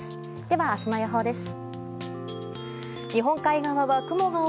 では明日の予報です。